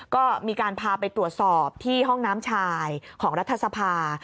ก็มีการพาไปตรวจสอบที่ห้องน้ำชายของรัฐสภา